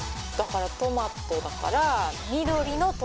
だからトマトだから。